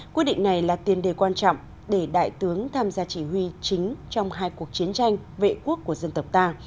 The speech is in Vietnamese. quyết định này là tiền đề quan trọng để đại tướng tham gia chỉ huy chính trong hai cuộc chiến tranh vệ quốc của dân tộc ta